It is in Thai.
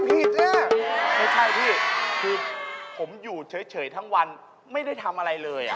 ไม่ใช่พี่คือผมอยู่เฉยทั้งวันไม่ได้ทำอะไรเลย